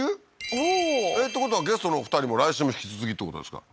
おおーってことはゲストのお二人も来週も引き続きってことですか？